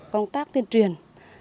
công tác tiên truyền